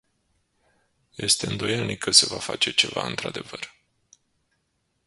Este îndoielnic că se va face ceva într-adevăr.